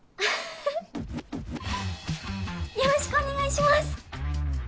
よろしくお願いします！